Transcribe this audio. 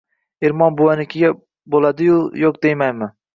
Ermon buvanikiga bo‘ladi-yu, yo‘q deymanmi!